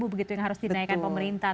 begitu yang harus dinaikkan pemerintah